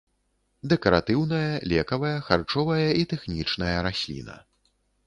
Дэкаратыўная, лекавая, харчовая і тэхнічная расліна.